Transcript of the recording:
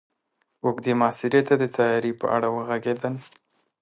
اوږدې محاصرې ته د تياري په اړه وغږېدل.